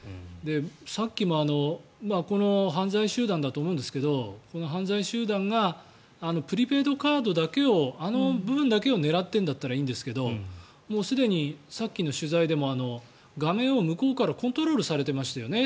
さっきも犯罪集団だと思うんですけどこの犯罪集団がプリペイドカードだけをあの部分だけを狙っているだけだったらいいんですがすでに、さっきの取材でも画面を向こうからコントロールされてましたよね。